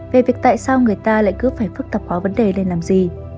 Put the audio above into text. về việc tại sao người ta lại cứ phải phức tập hóa vấn đề lên làm gì